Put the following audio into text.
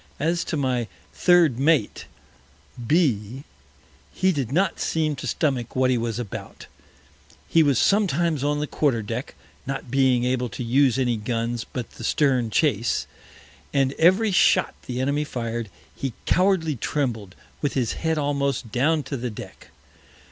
As to my Third Mate, B s, he did not seem to stomach what he was about; he was sometimes on the Quarter Deck (not being able to use any Guns but the Stern Chase) and every Shot the Enemy fir'd, he cowardly trembled, with his Head almost down to the Deck.